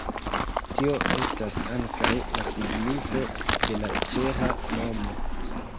Tio estas ankaŭ la signifo de la ĉeĥa nomo.